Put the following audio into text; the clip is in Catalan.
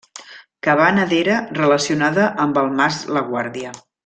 Cabana d'era relacionada amb el mas la Guàrdia.